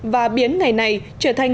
và biến ngày này trở thành